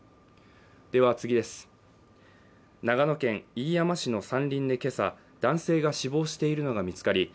長野県飯山市の山林でけさ男性が死亡しているのが見つかり